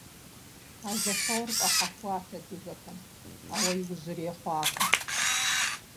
А зэхэуэр фӏахьэхуат адыгэхэм, ауэ иужьрей хъуакъым.